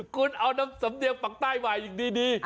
คุณเอาน้ำสำเนียงปักใต้ได้ดี